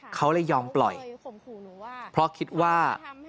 เขาเลยยอมปล่อยเพราะคิดว่า